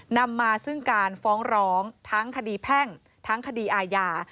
นำมาซึ่งการฟ้องร้องทั้งคดีแพ่งทั้งคดีอาญา